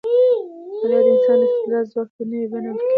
مطالعه د انسان د استدلال ځواک ته نوې بڼه ورکوي.